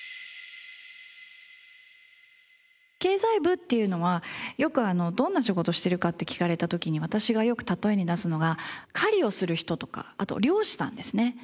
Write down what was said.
経済部っていうのはどんな仕事してるかって聞かれた時に私がよく例えに出すのが狩りをする人とかあと漁師さんですね。